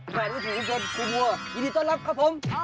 แห่งผู้ถูกจนครูบัวยินดีต้อนรับครับผม